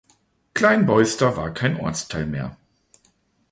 Klein Beuster war kein Ortsteil mehr.